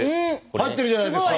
合ってるじゃないですか。